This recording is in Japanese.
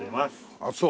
あっそう。